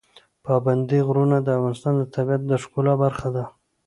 پابندی غرونه د افغانستان د طبیعت د ښکلا برخه ده.